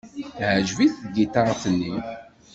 Teɛjeb-it tgiṭart-nni.